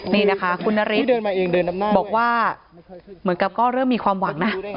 นี่นะคะคุณนฤทธิ์บอกว่าเหมือนกับก็เริ่มมีความหวังนะ